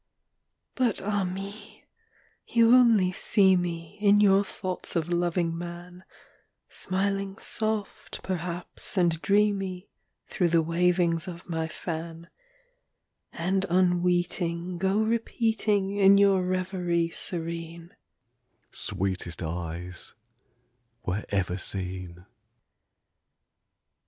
VI. But, ah me! you only see me, In your thoughts of loving man, Smiling soft perhaps and dreamy Through the wavings of my fan; And unweeting Go repeating, In your reverie serene, "Sweetest eyes were ever seen " VII.